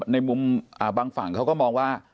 ในมุมบางฝั่งเขาก็มองว่า